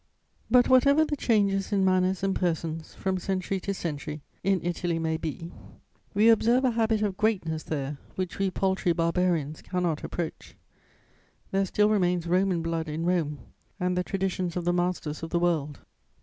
But, whatever the changes in manners and persons, from century to century, in Italy may be, we observe a habit of greatness there which we paltry barbarians cannot approach. There still remains Roman blood in Rome and the traditions of the masters of the world.